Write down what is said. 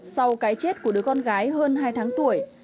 sau cái chết của đứa con gái hơn hai tháng tuổi